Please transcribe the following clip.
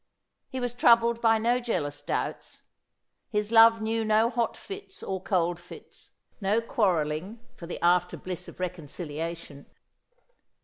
He was troubled by no jealous doubts ; his love knew no hot fits or cold fits, no quarrelling for the after bliss of recorxiliation.